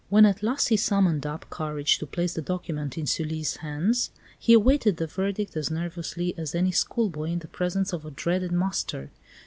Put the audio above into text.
When at last he summoned up courage to place the document in Sully's hands, he awaited the verdict as nervously as any schoolboy in the presence of a dreaded master.